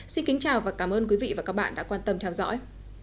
xin kính chào và cảm ơn quý vị và các bạn đã quan tâm theo dõi